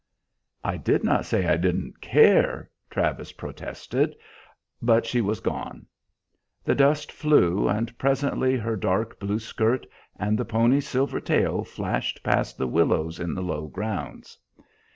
"I did not say I didn't care," Travis protested; but she was gone. The dust flew, and presently her dark blue skirt and the pony's silver tail flashed past the willows in the low grounds.